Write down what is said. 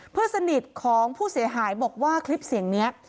เพื่อนสนิทของผู้เสียหายบอกว่าคลิปเสียงนี้